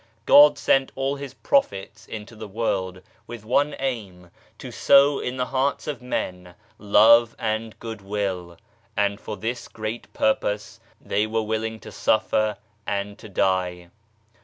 God sent all His Prophets into the world with one aim, to sow in the hearts of men Love and Goodwill, and for this great purpose they were willing to suffer and to die.